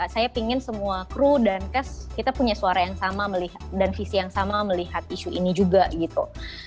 saya ingin semua kru dan cash kita punya suara yang sama dan visi yang sama melihat isu ini juga gitu